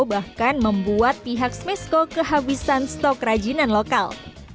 bahkan membuat pihak smesco kehabisan stok kerajinan lokal